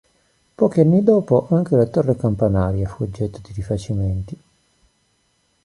Pochi anni dopo anche la torre campanaria fu oggetto di rifacimenti.